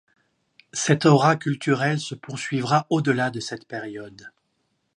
Cette aura culturelle se poursuivra au-delà de cette période.